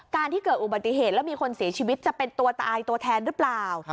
ที่เกิดอุบัติเหตุแล้วมีคนเสียชีวิตจะเป็นตัวตายตัวแทนหรือเปล่า